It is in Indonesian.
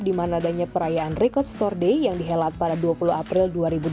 di mana adanya perayaan record store day yang dihelat pada dua puluh april dua ribu dua puluh